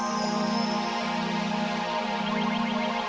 aduh aku merasa tidak enak